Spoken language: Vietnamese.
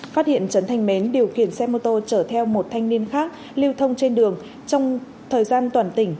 phát hiện trần thanh mến điều khiển xe mô tô chở theo một thanh niên khác lưu thông trên đường trong thời gian toàn tỉnh